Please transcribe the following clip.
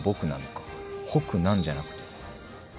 「北南」じゃなくて。